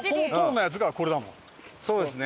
そうですね。